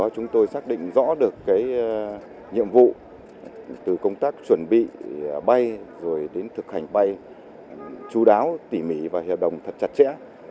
chúng tôi xác định rõ được nhiệm vụ từ công tác chuẩn bị bay rồi đến thực hành bay chú đáo tỉ mỉ và hiệp đồng thật chặt chẽ